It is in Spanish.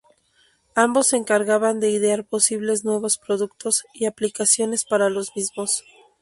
Ambos se encargaban de idear posibles nuevos productos y aplicaciones para los mismos.